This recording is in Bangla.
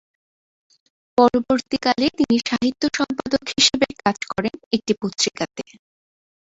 পরবর্তীকালে তিনি সাহিত্য সম্পাদক হিসেবে কাজ করেন একটি পত্রিকাতে।